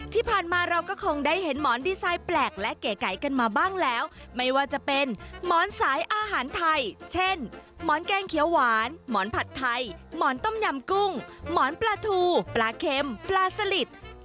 ที่ผ่านมาเราก็คงได้เห็นหมอนดีไซน์แปลกและเก๋ไก่กันมาบ้างแล้วไม่ว่าจะเป็นหมอนสายอาหารไทยเช่นหมอนแกงเขียวหวานหมอนผัดไทยหมอนต้มยำกุ้งหมอนปลาทูปลาเค็มปลาสลิด